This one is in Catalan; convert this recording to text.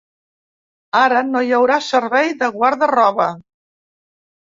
Ara, no hi haurà servei de guarda-roba.